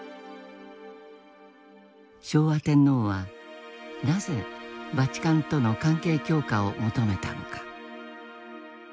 昭和天皇はなぜバチカンとの関係強化を求めたのか。